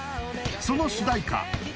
その主題歌